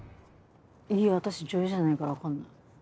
いや私女優じゃないから分かんない。